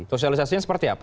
sosialisasi seperti apa